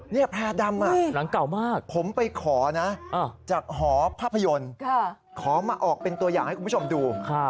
นี่แพร่ดำหลังเก่ามากผมไปขอนะจากหอภาพยนตร์ขอมาออกเป็นตัวอย่างให้คุณผู้ชมดู